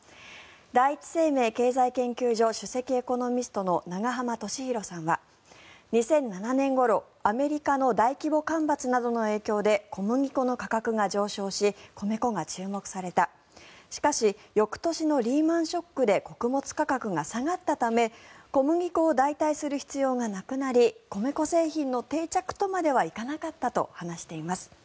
第一生命経済研究所首席エコノミストの永濱利廣さんは、２００７年ごろアメリカの大規模干ばつなどの影響で小麦粉の価格が上昇し米粉が注目されたしかし、翌年のリーマン・ショックで穀物価格が下がったため小麦粉を代替する必要がなくなり米粉製品の定着とまでは行かなかったと話しています。